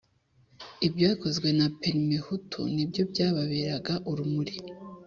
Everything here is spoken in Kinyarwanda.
ibyakozwe na parmehutu nibyo byababeraga urumuri